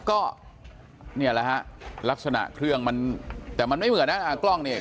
ก็เนี่ยแหละฮะลักษณะเครื่องมันแต่มันไม่เหมือนนะกล้องเนี่ย